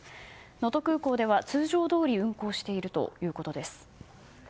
能登空港では通常どおり運航しているということです。